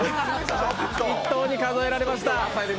１投に数えられました。